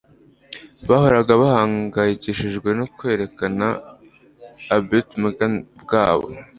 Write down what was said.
Bahoraga bahangayikishijwe no kwerekana ubutLmgane bwabo.